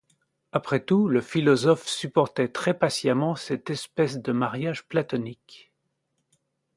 Après tout, le philosophe supportait très patiemment cette espèce de mariage platonique.